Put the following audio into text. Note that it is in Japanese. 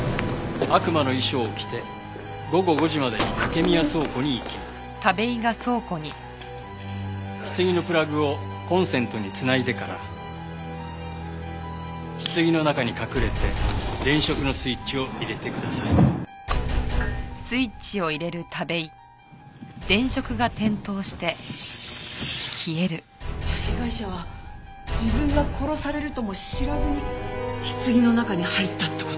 「悪魔の衣装を着て午後５時までに竹宮倉庫に行き棺のプラグをコンセントに繋いでから棺の中に隠れて電飾のスイッチを入れてください」じゃあ被害者は自分が殺されるとも知らずに棺の中に入ったって事？